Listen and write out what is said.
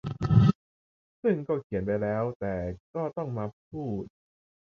ซึ่งก็เขียนไปแล้วแต่ก็ต้องมาพูด